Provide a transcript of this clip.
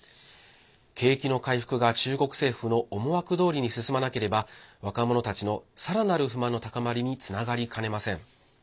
景気の回復が中国政府の思惑どおりに進まなければ若者たちの、さらなる不満の高まりにつながりかねません。